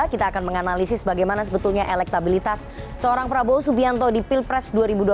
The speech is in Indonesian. kita akan menganalisis bagaimana sebetulnya elektabilitas seorang prabowo subianto di pilpres dua ribu dua puluh